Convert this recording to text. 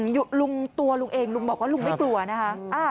ลุงตัวลุงเองลุงบอกว่าลุงไม่กลัวนะคะ